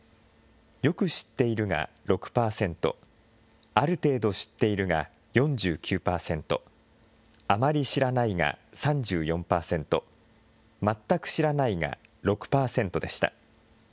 よく知っているが６％、ある程度知っているが４９％、あまり知らないが３４％、まったく知らないが６％でした。